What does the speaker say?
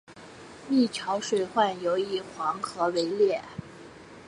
历朝水患尤以黄河为烈。